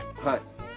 はい。